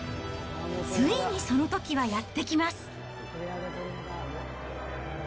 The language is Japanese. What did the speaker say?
ついにそのときはやってきます。